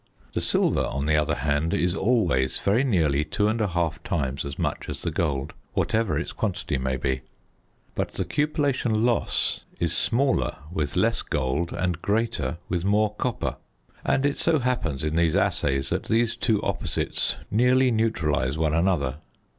The silver, on the other hand, is always very nearly two and a half times as much as the gold, whatever its quantity may be. But the cupellation loss is smaller with less gold and greater with more copper, and it so happens in these assays that these two opposites nearly neutralise one another.